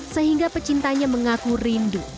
sehingga pecintanya mengaku rindu